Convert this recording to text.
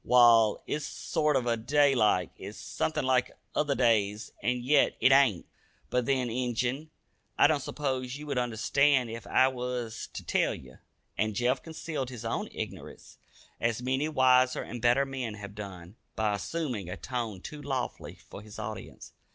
Wall, it's a sorter day like. It's somethin' like other days, an' yet it ain't. But then, Injun, I don't s'pose ye would understand ef I wuz ter tell ye." And Jeff concealed his own ignorance, as many wiser and better men have done, by assuming a tone too lofty for his audience.